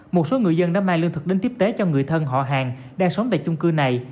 một số người dân đã mang lương thực đến tiếp tế cho người thân họ hàng đang sống tại chung cư này